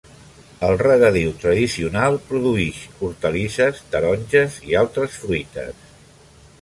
El regadiu tradicional produïx hortalisses, taronges i altres fruites.